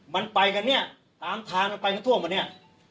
มันไปกันเนี่ยตามทางกันไปก็ท่วมกว่าเนี่ย